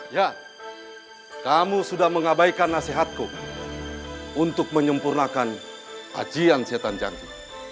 ya kamu sudah mengabaikan nasihatku untuk menyempurnakan ajian setan janji